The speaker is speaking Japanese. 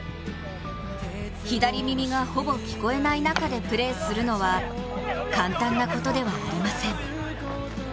左耳がほぼ聞こえない中でプレーするのは簡単なことではありません。